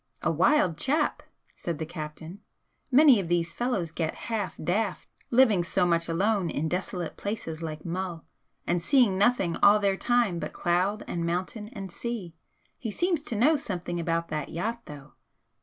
"A wild chap!" said the captain "Many of these fellows get half daft, living so much alone in desolate places like Mull, and seeing nothing all their time but cloud and mountain and sea. He seems to know something about that yacht, though!"